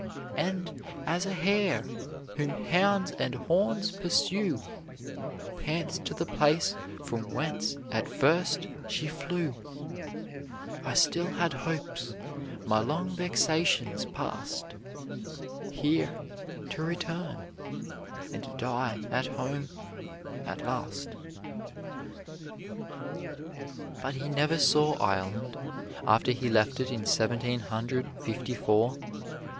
And as a hare, whom hounds and horns pursue, Pants to the place from whence at first she flew, I still had hopes, my long vexations past, Here to return and die at home at last." But he never saw Ireland after he left it in Seventeen Hundred Fifty four.